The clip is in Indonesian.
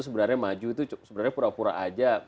sebenarnya maju itu sebenarnya pura pura aja